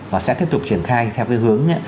và sẽ tiếp tục triển khai theo cái hướng